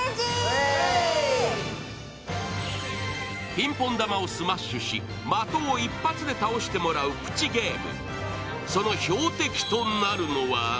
ピンポン玉をスマッシュし、的を一発で倒してもらうプチゲーム。